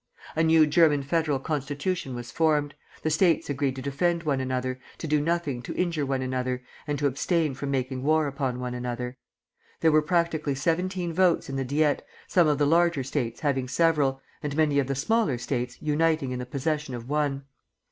A new German Federal Constitution was formed; the States agreed to defend one another, to do nothing to injure one another, and to abstain from making war upon one another. There were practically seventeen votes in the Diet, some of the larger States having several, and many of the smaller States uniting in the possession of one.